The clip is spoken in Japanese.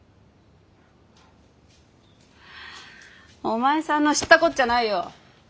お前さんの知ったこっちゃないよ。